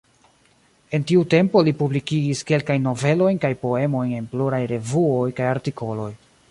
En tiu tempo, li publikigis kelkajn novelojn kaj poemojn en pluraj revuoj kaj artikoloj.